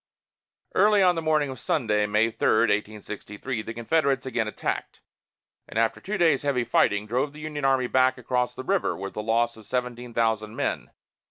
Early on the morning of Sunday, May 3, 1863, the Confederates again attacked, and after two days' heavy fighting, drove the Union army back across the river, with a loss of seventeen thousand men.